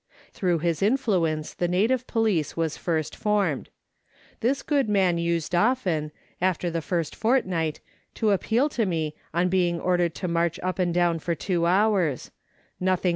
Through his influence the native police was first formed. This good man used often, after the first fortnight, to appeal to me, on being ordered to march up and down for two hours ; nothing like command would do for him.